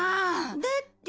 だって。